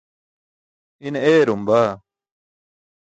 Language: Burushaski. Ine eyarum baa.